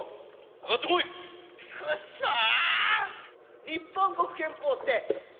くっそー。